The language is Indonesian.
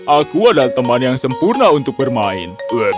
aku adalah teman yang sempurna untuk bermain